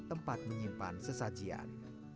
tempat menyimpan sesajian